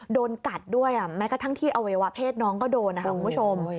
โดนกัดด้วยแม้กระทั่งที่อวัยวะเพศน้องก็โดนนะคะคุณผู้ชม